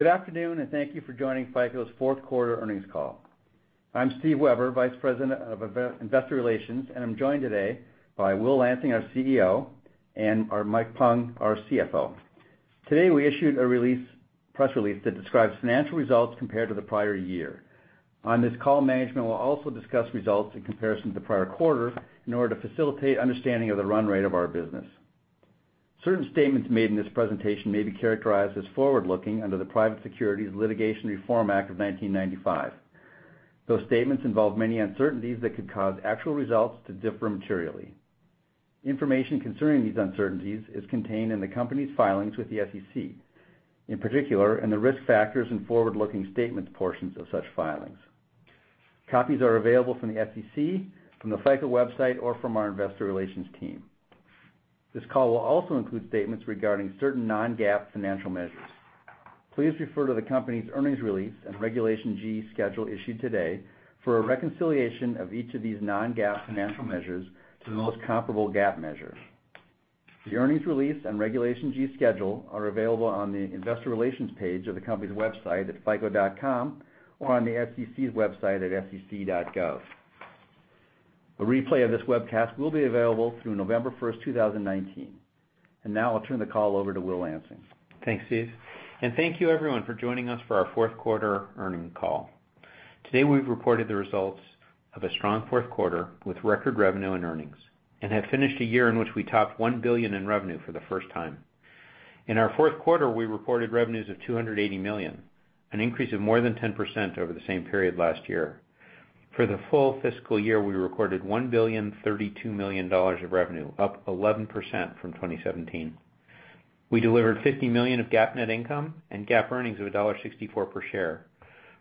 Good afternoon, thank you for joining FICO's fourth quarter earnings call. I'm Steven Weber, Vice President of Investor Relations, and I'm joined today by William Lansing, our CEO, and Michael Pung, our CFO. Today, we issued a press release that describes financial results compared to the prior year. On this call, management will also discuss results in comparison to the prior quarter in order to facilitate understanding of the run rate of our business. Certain statements made in this presentation may be characterized as forward-looking under the Private Securities Litigation Reform Act of 1995. Those statements involve many uncertainties that could cause actual results to differ materially. Information concerning these uncertainties is contained in the company's filings with the SEC, in particular in the risk factors and forward-looking statements portions of such filings. Copies are available from the SEC, from the FICO website, or from our investor relations team. This call will also include statements regarding certain non-GAAP financial measures. Please refer to the company's earnings release and Regulation G schedule issued today for a reconciliation of each of these non-GAAP financial measures to the most comparable GAAP measure. The earnings release and Regulation G schedule are available on the investor relations page of the company's website at fico.com or on the SEC's website at sec.gov. A replay of this webcast will be available through November 1st, 2019. Now I'll turn the call over to William Lansing. Thanks, Steve. Thank you everyone for joining us for our fourth quarter earning call. Today, we've reported the results of a strong fourth quarter with record revenue and earnings and have finished a year in which we topped $1 billion in revenue for the first time. In our fourth quarter, we reported revenues of $280 million, an increase of more than 10% over the same period last year. For the full fiscal year, we recorded $1,032 million of revenue, up 11% from 2017. We delivered $50 million of GAAP net income and GAAP earnings of $1.64 per share.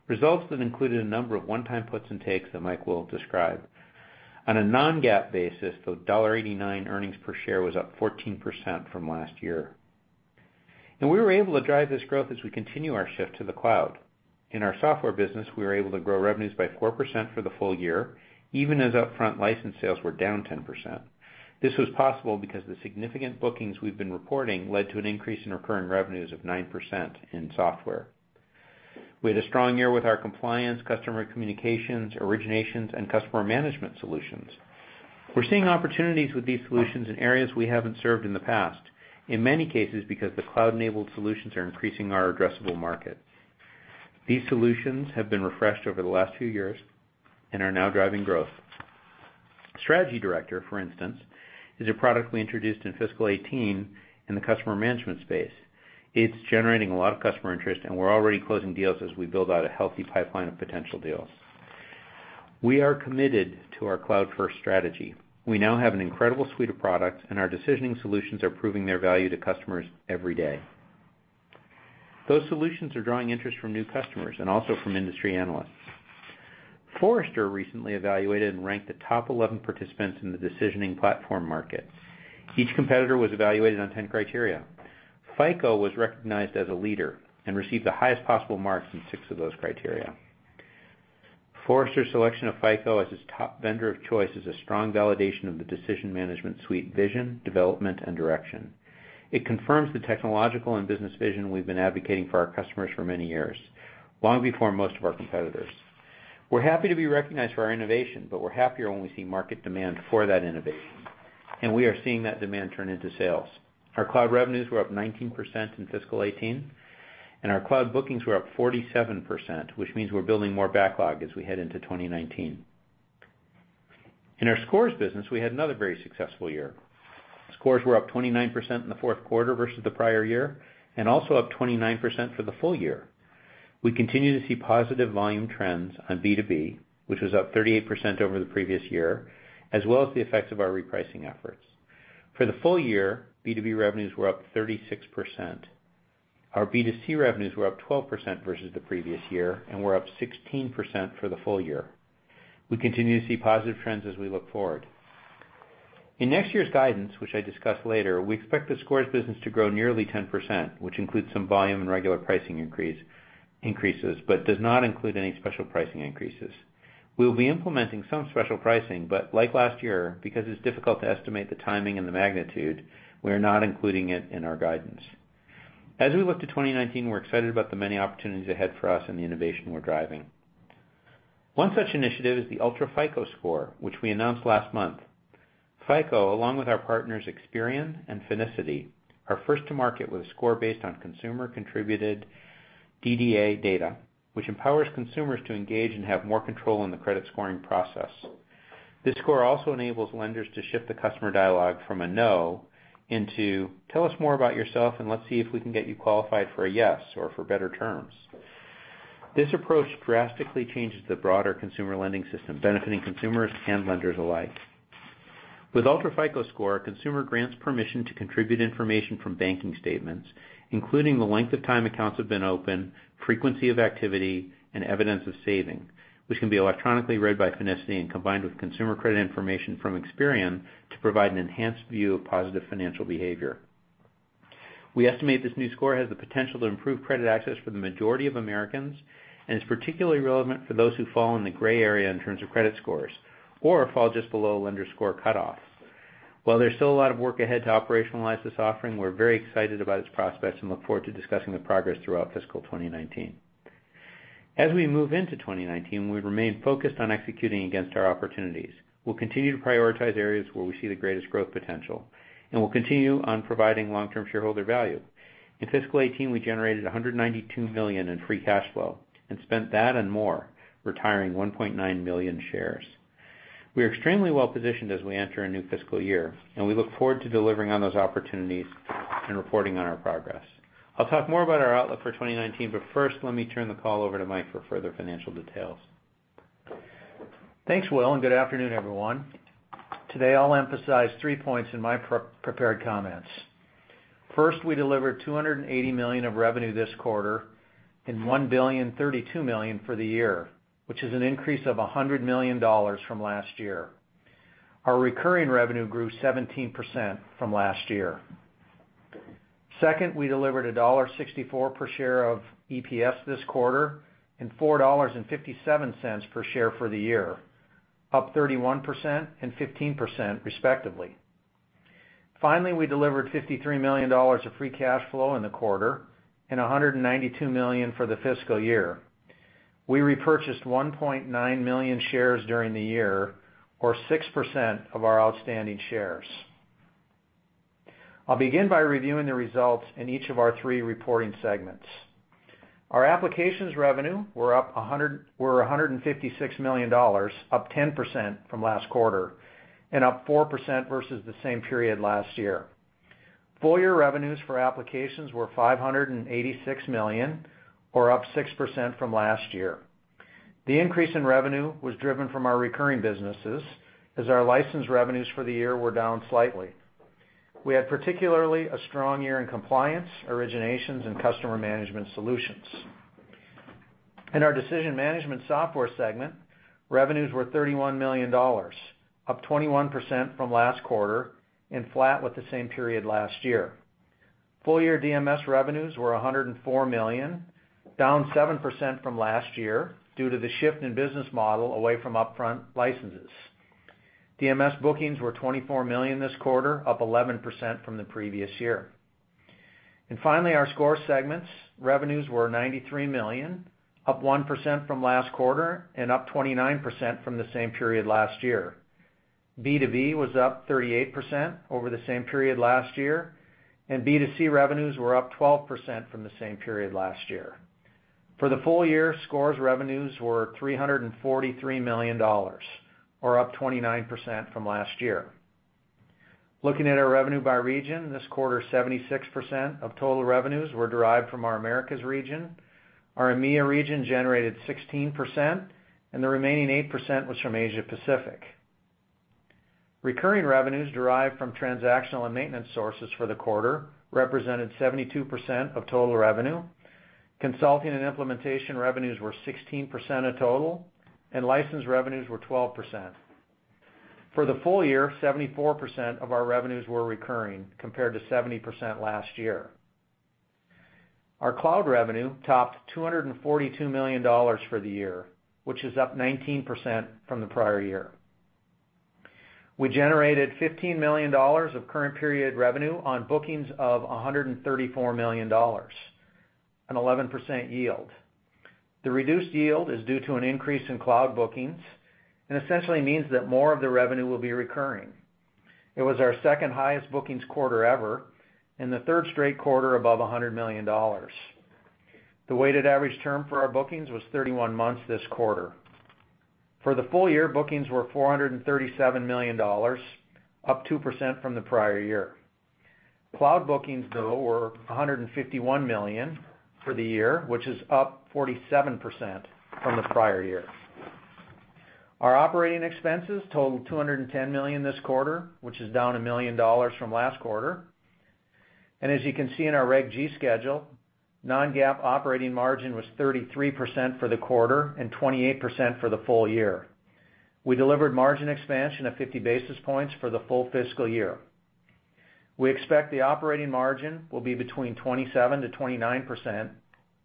Results that included a number of one-time puts and takes that Mike will describe. On a non-GAAP basis, the $1.89 earnings per share was up 14% from last year. We were able to drive this growth as we continue our shift to the cloud. In our software business, we were able to grow revenues by 4% for the full year, even as upfront license sales were down 10%. This was possible because the significant bookings we've been reporting led to an increase in recurring revenues of 9% in software. We had a strong year with our compliance, customer communications, originations, and customer management solutions. We're seeing opportunities with these solutions in areas we haven't served in the past, in many cases because the cloud-enabled solutions are increasing our addressable market. These solutions have been refreshed over the last few years and are now driving growth. Strategy Director, for instance, is a product we introduced in fiscal 2018 in the customer management space. It's generating a lot of customer interest, and we're already closing deals as we build out a healthy pipeline of potential deals. We are committed to our cloud-first strategy. We now have an incredible suite of products, and our decisioning solutions are proving their value to customers every day. Those solutions are drawing interest from new customers and also from industry analysts. Forrester recently evaluated and ranked the top 11 participants in the decisioning platform market. Each competitor was evaluated on 10 criteria. FICO was recognized as a leader and received the highest possible marks in six of those criteria. Forrester's selection of FICO as its top vendor of choice is a strong validation of the FICO Decision Management Suite vision, development, and direction. It confirms the technological and business vision we've been advocating for our customers for many years, long before most of our competitors. We're happy to be recognized for our innovation, but we're happier when we see market demand for that innovation. And we are seeing that demand turn into sales. Our cloud revenues were up 19% in fiscal 2018, and our cloud bookings were up 47%, which means we're building more backlog as we head into 2019. In our scores business, we had another very successful year. Scores were up 29% in the fourth quarter versus the prior year, and also up 29% for the full year. We continue to see positive volume trends on B2B, which was up 38% over the previous year, as well as the effects of our repricing efforts. For the full year, B2B revenues were up 36%. Our B2C revenues were up 12% versus the previous year and were up 16% for the full year. We continue to see positive trends as we look forward. In next year's guidance, which I discuss later, we expect the scores business to grow nearly 10%, which includes some volume and regular pricing increases but does not include any special pricing increases. We'll be implementing some special pricing, but like last year, because it's difficult to estimate the timing and the magnitude, we're not including it in our guidance. As we look to 2019, we're excited about the many opportunities ahead for us and the innovation we're driving. One such initiative is the UltraFICO Score, which we announced last month. FICO, along with our partners Experian and Finicity, are first to market with a score based on consumer-contributed DDA data, which empowers consumers to engage and have more control in the credit scoring process. This score also enables lenders to shift the customer dialogue from a no into, "Tell us more about yourself, and let's see if we can get you qualified for a yes or for better terms." This approach drastically changes the broader consumer lending system, benefiting consumers and lenders alike. With UltraFICO Score, a consumer grants permission to contribute information from banking statements, including the length of time accounts have been open, frequency of activity, and evidence of saving, which can be electronically read by Finicity and combined with consumer credit information from Experian to provide an enhanced view of positive financial behavior. We estimate this new score has the potential to improve credit access for the majority of Americans and is particularly relevant for those who fall in the gray area in terms of credit scores or fall just below a lender score cutoff. While there's still a lot of work ahead to operationalize this offering, we're very excited about its prospects and look forward to discussing the progress throughout fiscal 2019. As we move into 2019, we remain focused on executing against our opportunities. We'll continue to prioritize areas where we see the greatest growth potential, and we'll continue on providing long-term shareholder value. In fiscal 2018, we generated $192 million in free cash flow and spent that and more retiring 1.9 million shares. We are extremely well-positioned as we enter a new fiscal year, and we look forward to delivering on those opportunities and reporting on our progress. I'll talk more about our outlook for 2019, first, let me turn the call over to Mike for further financial details. Thanks, Will. Good afternoon, everyone. Today, I'll emphasize three points in my prepared comments. First, we delivered $280 million of revenue this quarter and $1,032 million for the year, which is an increase of $100 million from last year. Our recurring revenue grew 17% from last year. Second, we delivered $1.64 per share of EPS this quarter and $4.57 per share for the year, up 31% and 15% respectively. Finally, we delivered $53 million of free cash flow in the quarter and $192 million for the fiscal year. We repurchased 1.9 million shares during the year or 6% of our outstanding shares. I'll begin by reviewing the results in each of our three reporting segments. Our applications revenue were $156 million, up 10% from last quarter and up 4% versus the same period last year. Full-year revenues for applications were $586 million or up 6% from last year. The increase in revenue was driven from our recurring businesses as our license revenues for the year were down slightly. We had particularly a strong year in compliance, originations, and customer management solutions. In our decision management software segment, revenues were $31 million, up 21% from last quarter and flat with the same period last year. Full year DMS revenues were $104 million, down 7% from last year due to the shift in business model away from upfront licenses. DMS bookings were $24 million this quarter, up 11% from the previous year. Finally, our Scores segments revenues were $93 million, up 1% from last quarter and up 29% from the same period last year. B2B was up 38% over the same period last year, and B2C revenues were up 12% from the same period last year. For the full year, scores revenues were $343 million or up 29% from last year. Looking at our revenue by region this quarter, 76% of total revenues were derived from our Americas region. Our EMEIA region generated 16%, and the remaining 8% was from Asia Pacific. Recurring revenues derived from transactional and maintenance sources for the quarter represented 72% of total revenue. Consulting and implementation revenues were 16% of total, and license revenues were 12%. For the full year, 74% of our revenues were recurring, compared to 70% last year. Our cloud revenue topped $242 million for the year, which is up 19% from the prior year. We generated $15 million of current period revenue on bookings of $134 million, an 11% yield. The reduced yield is due to an increase in cloud bookings and essentially means that more of the revenue will be recurring. It was our second-highest bookings quarter ever and the third straight quarter above $100 million. The weighted average term for our bookings was 31 months this quarter. For the full year, bookings were $437 million, up 2% from the prior year. Cloud bookings, though, were $151 million for the year, which is up 47% from the prior year. Our operating expenses totaled $210 million this quarter, which is down $1 million from last quarter. As you can see in our Reg G schedule, non-GAAP operating margin was 33% for the quarter and 28% for the full year. We delivered margin expansion of 50 basis points for the full fiscal year. We expect the operating margin will be between 27%-29%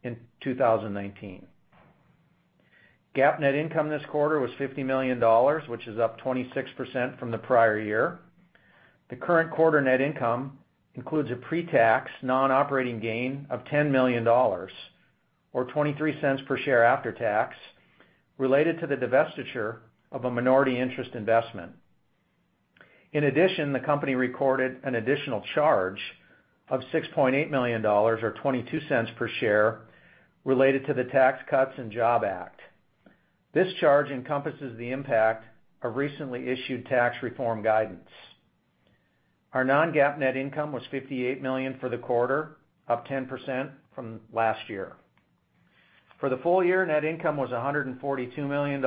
in 2019. GAAP net income this quarter was $50 million, which is up 26% from the prior year. The current quarter net income includes a pre-tax non-operating gain of $10 million, or $0.23 per share after tax, related to the divestiture of a minority interest investment. In addition, the company recorded an additional charge of $6.8 million, or $0.22 per share, related to the Tax Cuts and Jobs Act. This charge encompasses the impact of recently issued tax reform guidance. Our non-GAAP net income was $58 million for the quarter, up 10% from last year. For the full year, net income was $142 million,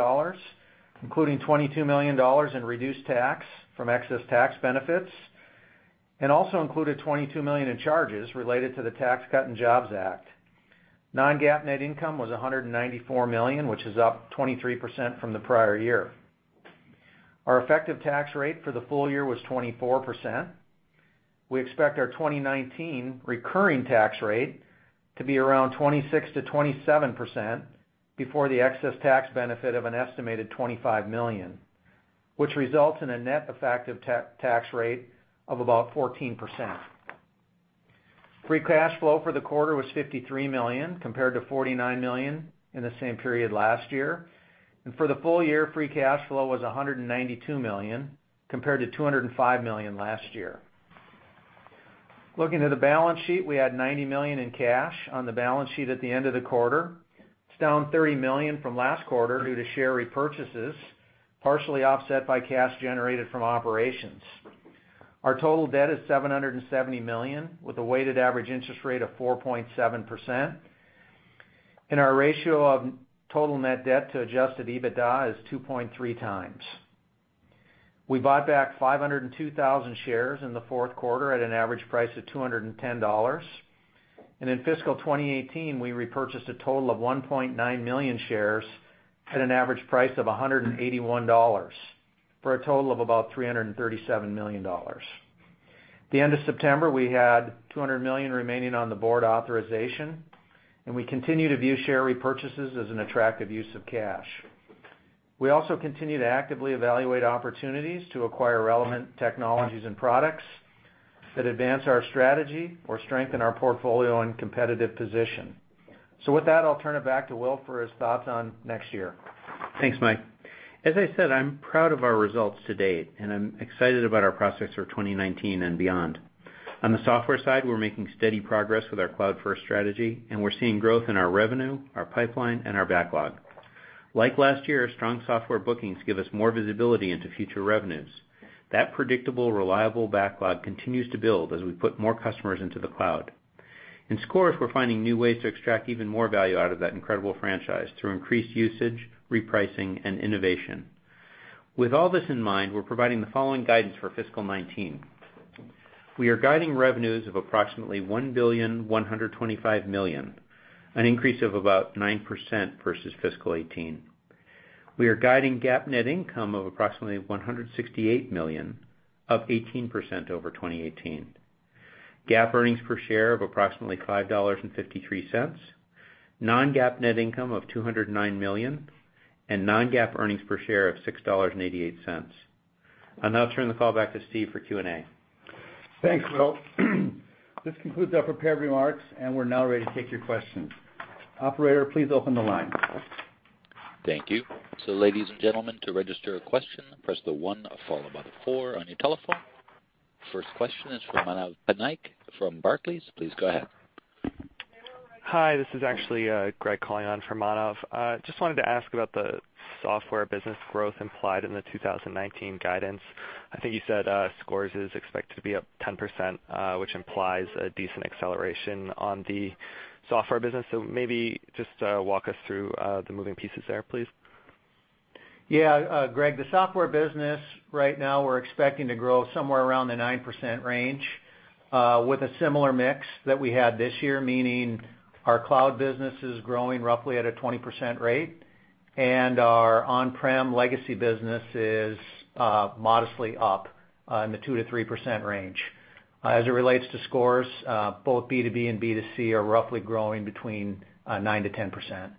including $22 million in reduced tax from excess tax benefits, and also included $22 million in charges related to the Tax Cuts and Jobs Act. Non-GAAP net income was $194 million, which is up 23% from the prior year. Our effective tax rate for the full year was 24%. We expect our 2019 recurring tax rate to be around 26%-27% before the excess tax benefit of an estimated $25 million, which results in a net effective tax rate of about 14%. Free cash flow for the quarter was $53 million, compared to $49 million in the same period last year. For the full year, free cash flow was $192 million, compared to $205 million last year. Looking at the balance sheet, we had $90 million in cash on the balance sheet at the end of the quarter. It's down $30 million from last quarter due to share repurchases, partially offset by cash generated from operations. Our total debt is $770 million, with a weighted average interest rate of 4.7%. Our ratio of total net debt to adjusted EBITDA is 2.3 times. We bought back 502,000 shares in the fourth quarter at an average price of $210. In fiscal 2018, we repurchased a total of 1.9 million shares at an average price of $181, for a total of about $337 million. At the end of September, we had $200 million remaining on the board authorization. We continue to view share repurchases as an attractive use of cash. We also continue to actively evaluate opportunities to acquire relevant technologies and products that advance our strategy or strengthen our portfolio and competitive position. With that, I'll turn it back to Will for his thoughts on next year. Thanks, Mike. As I said, I'm proud of our results to date. I'm excited about our prospects for 2019 and beyond. On the software side, we're making steady progress with our cloud-first strategy. We're seeing growth in our revenue, our pipeline, and our backlog. Like last year, strong software bookings give us more visibility into future revenues. That predictable, reliable backlog continues to build as we put more customers into the cloud. In Scores, we're finding new ways to extract even more value out of that incredible franchise through increased usage, repricing, and innovation. With all this in mind, we're providing the following guidance for fiscal 2019. We are guiding revenues of approximately $1,125,000,000, an increase of about 9% versus fiscal 2018. We are guiding GAAP net income of approximately $168 million, up 18% over 2018. GAAP earnings per share of approximately $5.53. Non-GAAP net income of $209 million. Non-GAAP earnings per share of $6.88. I'll now turn the call back to Steve for Q&A. Thanks, Will. This concludes our prepared remarks. We're now ready to take your questions. Operator, please open the line. Thank you. Ladies and gentlemen, to register a question, press the one followed by the four on your telephone. First question is from Manav Patnaik from Barclays. Please go ahead. Hi, this is actually Greg calling on for Manav. Just wanted to ask about the software business growth implied in the 2019 guidance. I think you said Scores is expected to be up 10%, which implies a decent acceleration on the software business. Maybe just walk us through the moving pieces there, please. Yeah, Greg, the software business right now we're expecting to grow somewhere around the 9% range, with a similar mix that we had this year, meaning our cloud business is growing roughly at a 20% rate, and our on-prem legacy business is modestly up in the 2%-3% range. As it relates to Scores, both B2B and B2C are roughly growing between 9%-10%.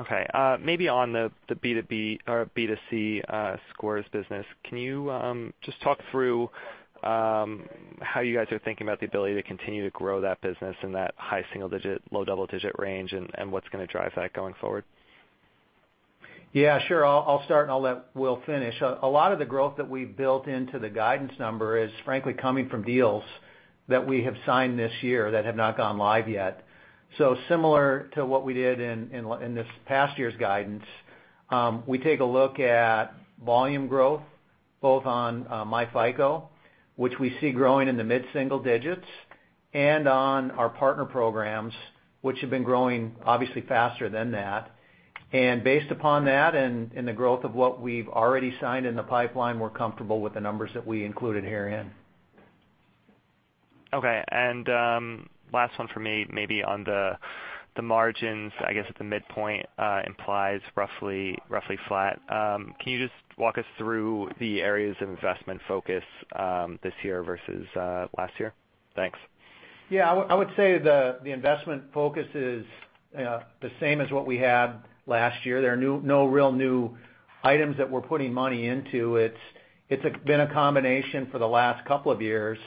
Okay. Maybe on the B2B or B2C Scores business, can you just talk through how you guys are thinking about the ability to continue to grow that business in that high single digit, low double digit range, and what's going to drive that going forward? Yeah, sure. I'll start, and I'll let Will finish. A lot of the growth that we've built into the guidance number is frankly coming from deals that we have signed this year that have not gone live yet. Similar to what we did in this past year's guidance, we take a look at volume growth both on myFICO, which we see growing in the mid-single digits, and on our partner programs, which have been growing obviously faster than that. Based upon that and the growth of what we've already signed in the pipeline, we're comfortable with the numbers that we included herein. Okay. Last one from me, maybe on the margins, I guess at the midpoint implies roughly flat. Can you just walk us through the areas of investment focus this year versus last year? Thanks. Yeah. I would say the investment focus is the same as what we had last year. There are no real new items that we're putting money into. It's been a combination for the last couple of years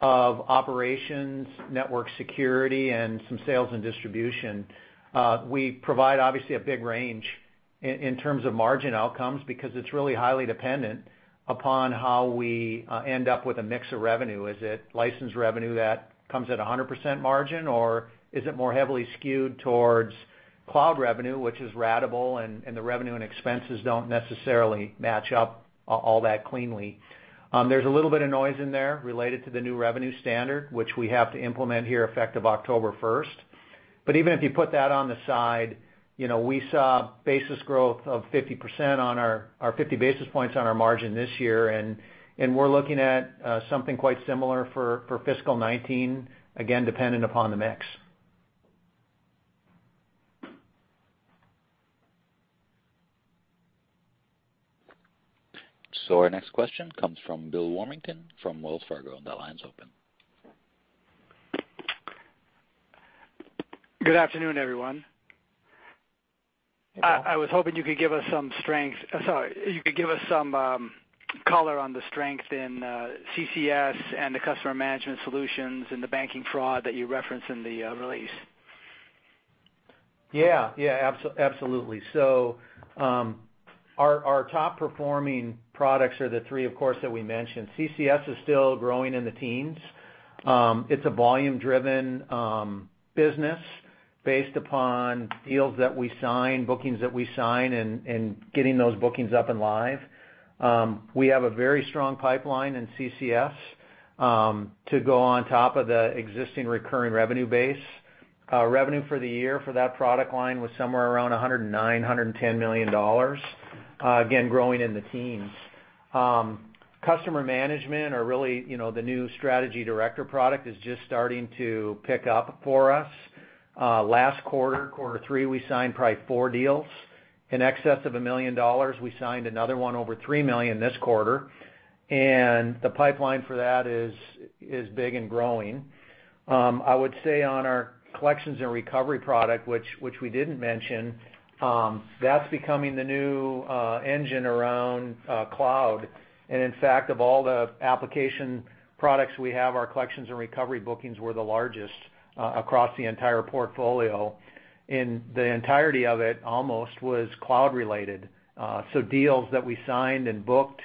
of operations, network security, and some sales and distribution. We provide, obviously, a big range in terms of margin outcomes because it's really highly dependent upon how we end up with a mix of revenue. Is it licensed revenue that comes at 100% margin, or is it more heavily skewed towards cloud revenue, which is ratable, and the revenue and expenses don't necessarily match up all that cleanly? There's a little bit of noise in there related to the new revenue standard, which we have to implement here effective October 1st. Even if you put that on the side, we saw basis growth of 50% or 50 basis points on our margin this year, we're looking at something quite similar for fiscal 2019, again, dependent upon the mix. Our next question comes from Bill Warmington, from Wells Fargo. The line's open. Good afternoon, everyone. Hey, Bill. I was hoping you could give us some color on the strength in CCS and the customer management solutions and the banking fraud that you referenced in the release. Absolutely. Our top-performing products are the three, of course, that we mentioned. CCS is still growing in the teens. It's a volume-driven business based upon deals that we sign, bookings that we sign, and getting those bookings up and live. We have a very strong pipeline in CCS, to go on top of the existing recurring revenue base. Revenue for the year for that product line was somewhere around $109 million, $110 million, again, growing in the teens. Customer management or really, the new Strategy Director product is just starting to pick up for us. Last quarter three, we signed probably four deals in excess of $1 million. We signed another one over $3 million this quarter, and the pipeline for that is big and growing. I would say on our collections and recovery product, which we didn't mention, that's becoming the new engine around cloud. In fact, of all the application products we have, our collections and recovery bookings were the largest across the entire portfolio. The entirety of it, almost, was cloud-related. Deals that we signed and booked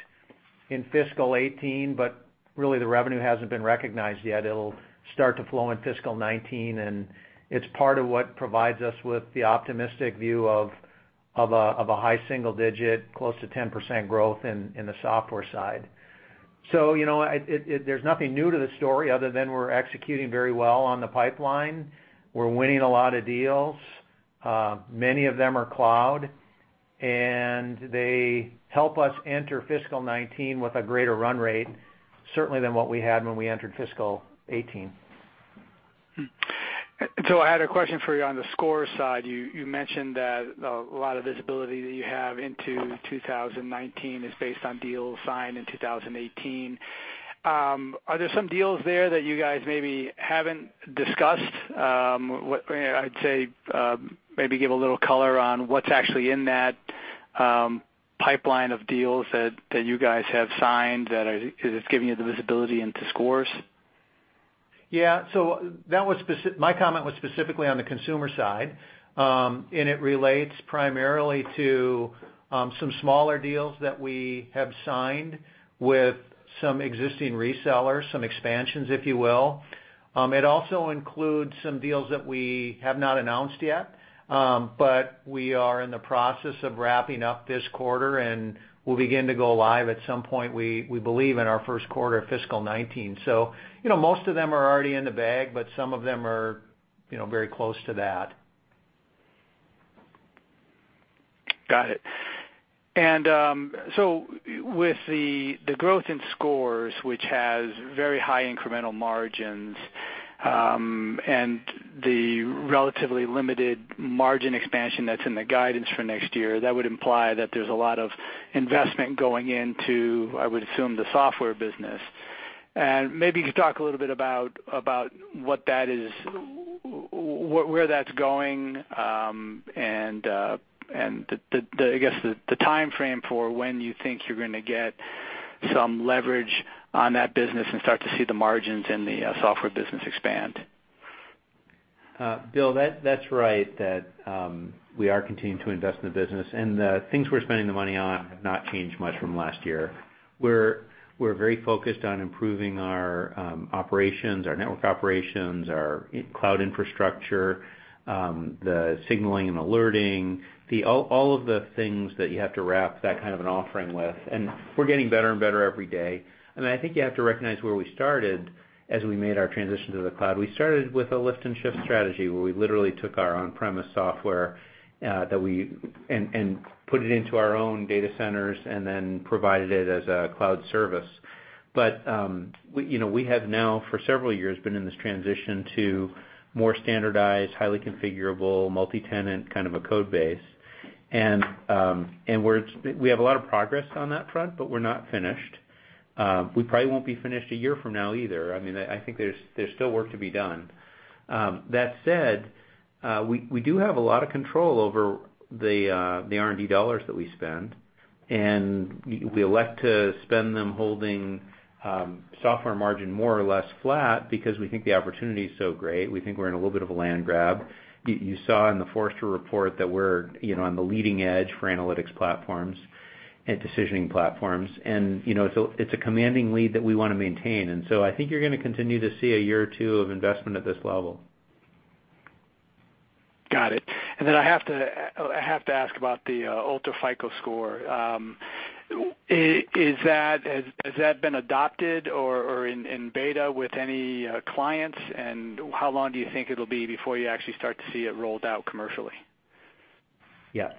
in fiscal 2018, but really the revenue hasn't been recognized yet. It'll start to flow in fiscal 2019, and it's part of what provides us with the optimistic view of a high single digit, close to 10% growth in the software side. There's nothing new to the story other than we're executing very well on the pipeline. We're winning a lot of deals. Many of them are cloud, and they help us enter fiscal 2019 with a greater run rate, certainly than what we had when we entered fiscal 2018. I had a question for you on the Scores side. You mentioned that a lot of visibility that you have into 2019 is based on deals signed in 2018. Are there some deals there that you guys maybe haven't discussed? I'd say, maybe give a little color on what's actually in that pipeline of deals that you guys have signed that is giving you the visibility into Scores. My comment was specifically on the consumer side. It relates primarily to some smaller deals that we have signed with some existing resellers, some expansions, if you will. It also includes some deals that we have not announced yet, but we are in the process of wrapping up this quarter. We'll begin to go live at some point, we believe, in our first quarter of fiscal 2019. Most of them are already in the bag, but some of them are very close to that. Got it. With the growth in Scores, which has very high incremental margins, and the relatively limited margin expansion that's in the guidance for next year, that would imply that there's a lot of investment going into, I would assume, the software business. Maybe you could talk a little bit about where that's going, and I guess, the timeframe for when you think you're going to get some leverage on that business and start to see the margins in the software business expand. Bill, that's right, that we are continuing to invest in the business. The things we're spending the money on have not changed much from last year. We're very focused on improving our operations, our network operations, our cloud infrastructure, the signaling and alerting, all of the things that you have to wrap that kind of an offering with. We're getting better and better every day. I think you have to recognize where we started as we made our transition to the cloud. We started with a lift and shift strategy where we literally took our on-premise software, and put it into our own data centers and then provided it as a cloud service. We have now, for several years, been in this transition to more standardized, highly configurable, multi-tenant code base. We have a lot of progress on that front, but we're not finished. We probably won't be finished a year from now either. I think there's still work to be done. That said, we do have a lot of control over the R&D dollars that we spend, and we elect to spend them holding software margin more or less flat because we think the opportunity's so great. We think we're in a little bit of a land grab. You saw in the Forrester report that we're on the leading edge for analytics platforms and decisioning platforms. It's a commanding lead that we want to maintain. I think you're going to continue to see a year or two of investment at this level. Got it. I have to ask about the UltraFICO Score. Has that been adopted or in beta with any clients? How long do you think it'll be before you actually start to see it rolled out commercially?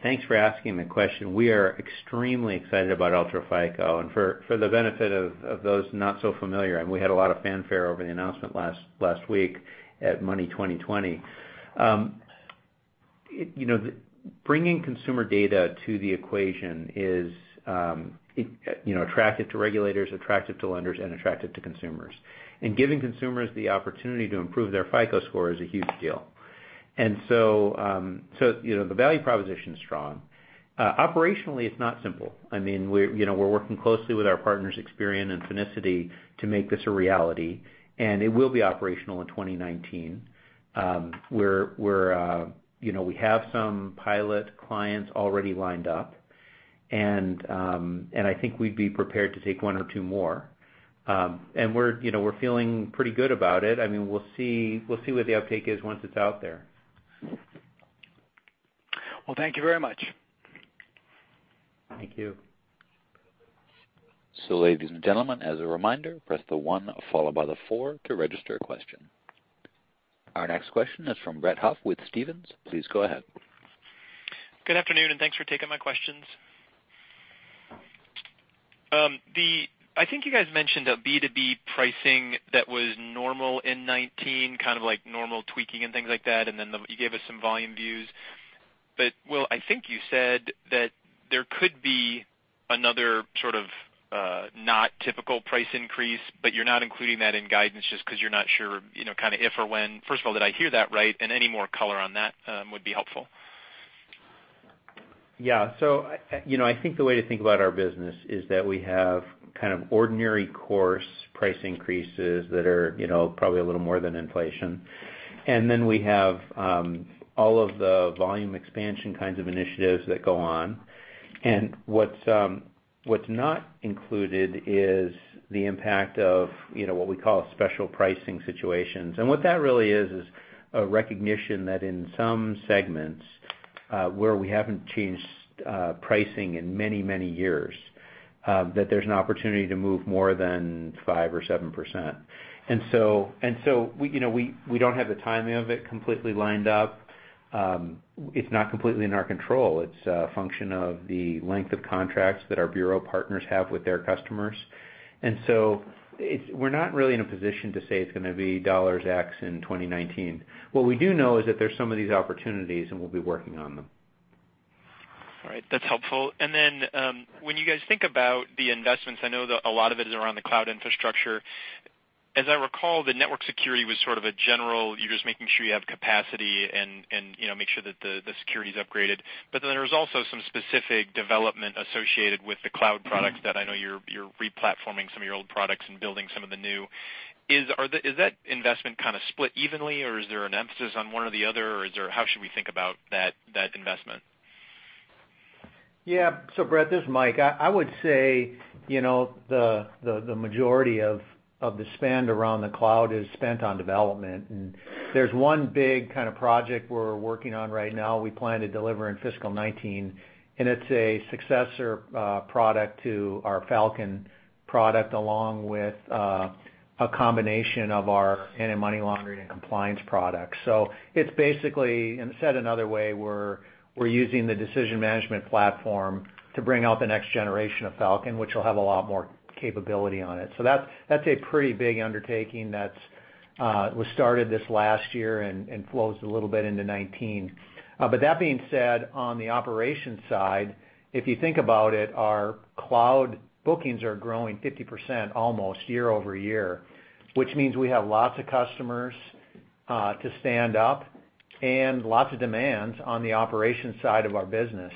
Thanks for asking the question. We are extremely excited about UltraFICO. For the benefit of those not so familiar, we had a lot of fanfare over the announcement last week at Money20/20. Bringing consumer data to the equation is attractive to regulators, attractive to lenders, and attractive to consumers. Giving consumers the opportunity to improve their FICO score is a huge deal. The value proposition is strong. Operationally, it's not simple. We're working closely with our partners, Experian and Finicity, to make this a reality, and it will be operational in 2019. We have some pilot clients already lined up, and I think we'd be prepared to take one or two more. We're feeling pretty good about it. We'll see what the uptake is once it's out there. Well, thank you very much. Thank you. ladies and gentlemen, as a reminder, press the one followed by the four to register a question. Our next question is from Brett Huff with Stephens. Please go ahead. Good afternoon, and thanks for taking my questions. I think you guys mentioned a B2B pricing that was normal in 2019, kind of like normal tweaking and things like that. Then you gave us some volume views. Will, I think you said that there could be another sort of not typical price increase, but you're not including that in guidance just because you're not sure if or when. First of all, did I hear that right? Any more color on that would be helpful. Yeah. I think the way to think about our business is that we have kind of ordinary course price increases that are probably a little more than inflation. Then we have all of the volume expansion kinds of initiatives that go on. What's not included is the impact of what we call special pricing situations. What that really is a recognition that in some segments where we haven't changed pricing in many, many years, that there's an opportunity to move more than 5% or 7%. We don't have the timing of it completely lined up. It's not completely in our control. It's a function of the length of contracts that our bureau partners have with their customers. We're not really in a position to say it's going to be dollars X in 2019. What we do know is that there's some of these opportunities, and we'll be working on them. All right. That's helpful. When you guys think about the investments, I know that a lot of it is around the cloud infrastructure. As I recall, the network security was sort of a general, you're just making sure you have capacity and make sure that the security is upgraded. There was also some specific development associated with the cloud products that I know you're re-platforming some of your old products and building some of the new. Is that investment kind of split evenly, or is there an emphasis on one or the other, or how should we think about that investment? Yeah. Brett, this is Mike. I would say the majority of the spend around the cloud is spent on development. There's one big kind of project we're working on right now we plan to deliver in FY 2019, and it's a successor product to our Falcon product, along with a combination of our anti-money laundering and compliance products. It's basically, and said another way, we're using the Decision Management Platform to bring out the next generation of Falcon, which will have a lot more capability on it. That's a pretty big undertaking that was started this last year and flows a little bit into 2019. That being said, on the operations side, if you think about it, our cloud bookings are growing 50% almost year-over-year, which means we have lots of customers to stand up and lots of demands on the operations side of our business.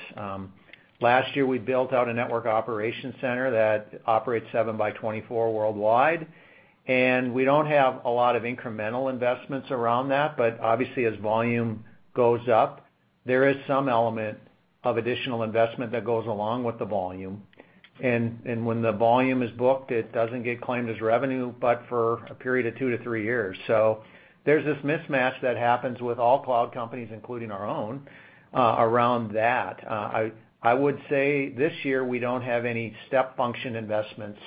Last year, we built out a network operations center that operates 7 by 24 worldwide. We don't have a lot of incremental investments around that, but obviously as volume goes up, there is some element of additional investment that goes along with the volume. When the volume is booked, it doesn't get claimed as revenue but for a period of 2-3 years. There's this mismatch that happens with all cloud companies, including our own, around that. I would say this year we don't have any step function investments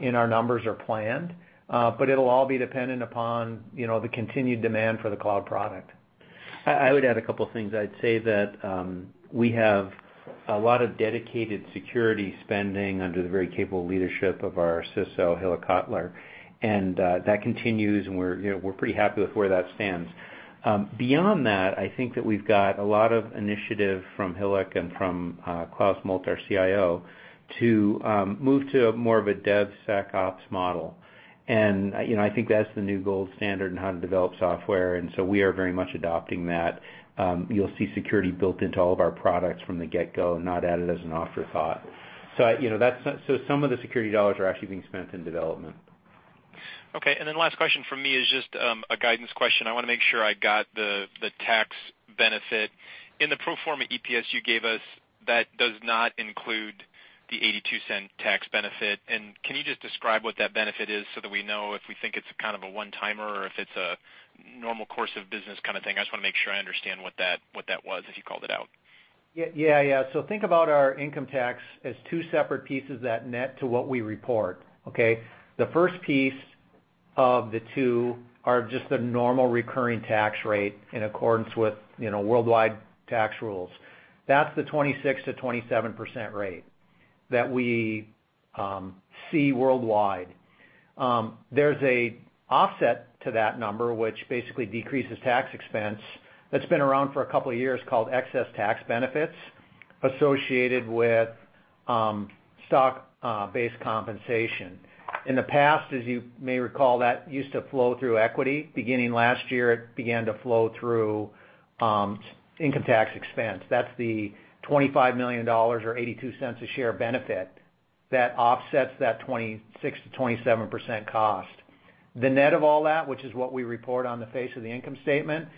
in our numbers or planned, but it'll all be dependent upon the continued demand for the cloud product. I would add a couple of things. I'd say that we have a lot of dedicated security spending under the very capable leadership of our CISO, Hilik Kotler. That continues, and we're pretty happy with where that stands. Beyond that, I think that we've got a lot of initiative from Hilik and from Claus Moldt, our CIO, to move to more of a DevSecOps model. I think that's the new gold standard in how to develop software, so we are very much adopting that. You'll see security built into all of our products from the get-go and not added as an afterthought. Some of the security dollars are actually being spent in development. Okay. Last question from me is just a guidance question. I want to make sure I got the tax benefit. In the pro forma EPS you gave us, that does not include the $0.82 tax benefit. Can you just describe what that benefit is so that we know if we think it's kind of a one-timer or if it's a normal course of business kind of thing? I just want to make sure I understand what that was, if you called it out. Yeah. Think about our income tax as two separate pieces that net to what we report, okay? The first piece of the two are just the normal recurring tax rate in accordance with worldwide tax rules. That's the 26%-27% rate that we see worldwide. There's an offset to that number, which basically decreases tax expense, that's been around for a couple of years called excess tax benefits associated with stock-based compensation. In the past, as you may recall, that used to flow through equity. Beginning last year, it began to flow through income tax expense. That's the $25 million or $0.82 a share benefit that offsets that 26%-27% cost. The net of all that, which is what we report on the face of the income statement,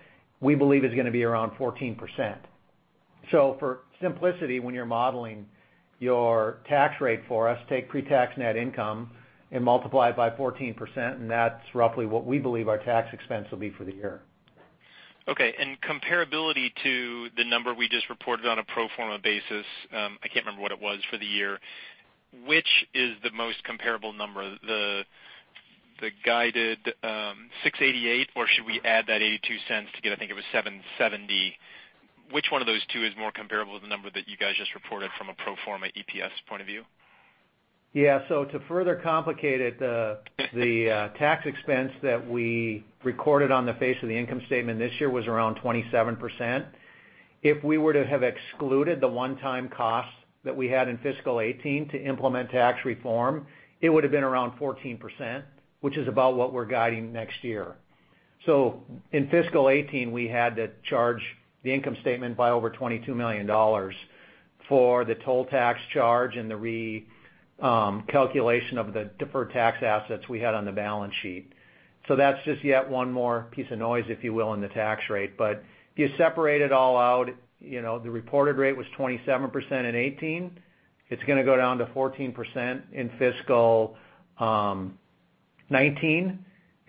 we believe is going to be around 14%. For simplicity, when you're modeling your tax rate for us, take pre-tax net income and multiply it by 14%, that's roughly what we believe our tax expense will be for the year. Comparability to the number we just reported on a pro forma basis, I can't remember what it was for the year. Which is the most comparable number? The guided 688, or should we add that $0.82 to get, I think it was 770. Which one of those two is more comparable to the number that you guys just reported from a pro forma EPS point of view? Yeah. To further complicate it, the tax expense that we recorded on the face of the income statement this year was around 27%. If we were to have excluded the one-time cost that we had in fiscal 2018 to implement tax reform, it would've been around 14%, which is about what we're guiding next year. In fiscal 2018, we had to charge the income statement by over $22 million for the toll tax charge and the recalculation of the deferred tax assets we had on the balance sheet. That's just yet one more piece of noise, if you will, in the tax rate. If you separate it all out, the reported rate was 27% in 2018. It's going to go down to 14% in fiscal 2019.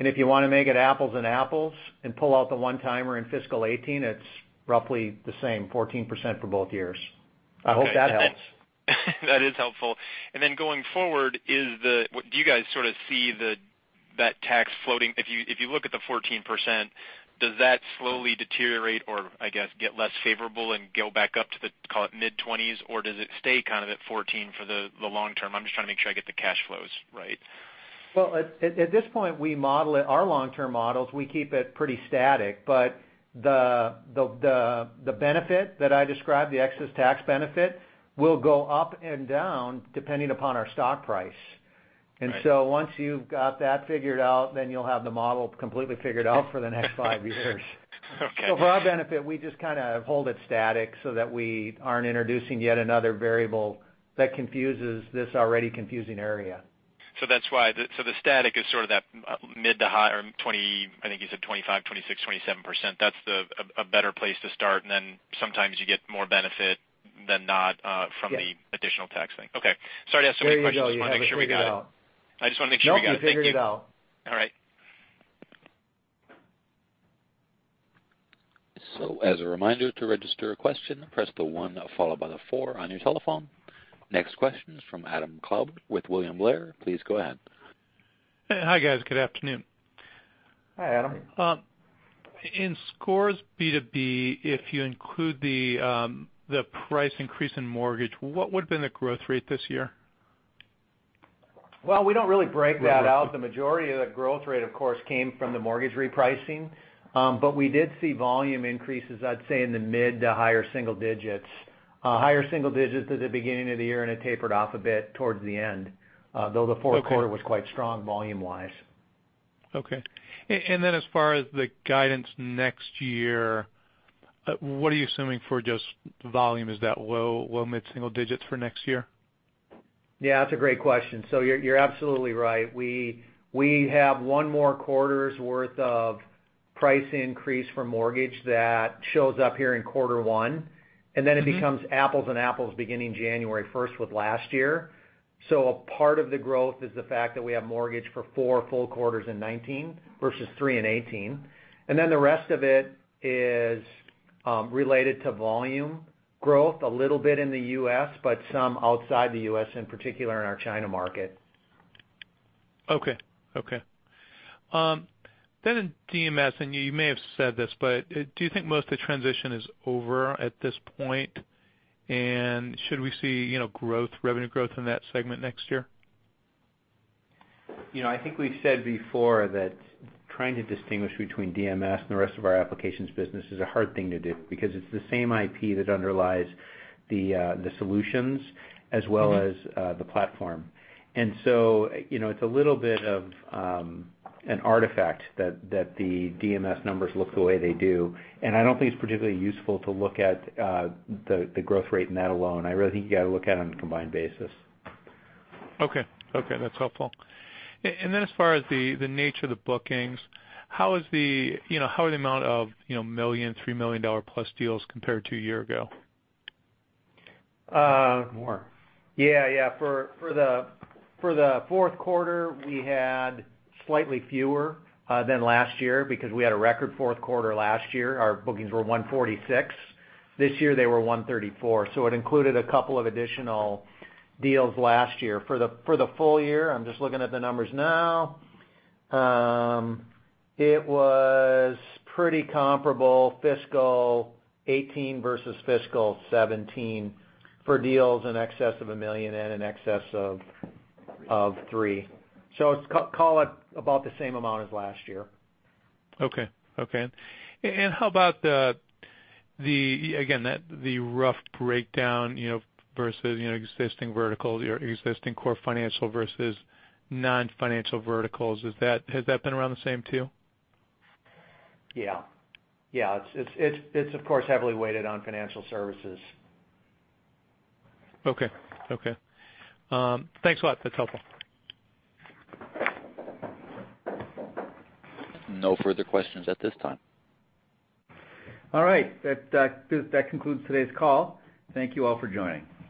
If you want to make it apples and apples and pull out the one-timer in fiscal 2018, it's roughly the same, 14% for both years. I hope that helps. That is helpful. Then going forward, do you guys sort of see that tax floating-- If you look at the 14%, does that slowly deteriorate or, I guess, get less favorable and go back up to the, call it, mid-20s, or does it stay kind of at 14% for the long term? I'm just trying to make sure I get the cash flows right. At this point, our long-term models, we keep it pretty static. The benefit that I described, the excess tax benefit, will go up and down depending upon our stock price. Right. Once you've got that figured out, then you'll have the model completely figured out for the next five years. Okay. For our benefit, we just kind of hold it static so that we aren't introducing yet another variable that confuses this already confusing area. The static is sort of that mid to high or, I think you said 25%, 26%, 27%. That's a better place to start, and then sometimes you get more benefit than not. Yeah from the additional tax thing. Okay. Sorry to ask so many questions. There you go. You figured it out. I just want to make sure we got it. Nope, you figured it out. All right. As a reminder, to register a question, press the one followed by the four on your telephone. Next question is from Adam Klauber with William Blair. Please go ahead. Hi, guys. Good afternoon. Hi, Adam. In Scores B2B, if you include the price increase in mortgage, what would've been the growth rate this year? Well, we don't really break that out. The majority of the growth rate, of course, came from the mortgage repricing. We did see volume increases, I'd say, in the mid to higher single digits. Higher single digits at the beginning of the year, and it tapered off a bit towards the end. The fourth quarter. Okay was quite strong volume-wise. Okay. As far as the guidance next year, what are you assuming for just volume? Is that low, mid-single digits for next year? Yeah, that's a great question. You're absolutely right. We have one more quarter's worth of price increase for mortgage that shows up here in quarter one, then it becomes apples and apples beginning January 1st with last year. A part of the growth is the fact that we have mortgage for four full quarters in 2019 versus three in 2018. The rest of it is related to volume growth, a little bit in the U.S., but some outside the U.S., in particular in our China market. Okay. In DMS, you may have said this, but do you think most of the transition is over at this point? Should we see revenue growth in that segment next year? I think we've said before that trying to distinguish between DMS and the rest of our applications business is a hard thing to do because it's the same IP that underlies the solutions as well as the platform. It's a little bit of an artifact that the DMS numbers look the way they do, I don't think it's particularly useful to look at the growth rate in that alone. I really think you got to look at it on a combined basis. Okay. That's helpful. As far as the nature of the bookings, how are the amount of million, $3 million plus deals compared to a year ago? More. Yeah. For the fourth quarter, we had slightly fewer than last year because we had a record fourth quarter last year. Our bookings were $146. This year, they were $134. It included a couple of additional deals last year. For the full year, I'm just looking at the numbers now. It was pretty comparable fiscal 2018 versus fiscal 2017 for deals in excess of $1 million and in excess of $3. Call it about the same amount as last year. Okay. How about the, again, the rough breakdown versus existing verticals, your existing core financial versus non-financial verticals. Has that been around the same too? Yeah. It's, of course, heavily weighted on financial services. Okay. Thanks a lot. That's helpful. No further questions at this time. All right. That concludes today's call. Thank you all for joining.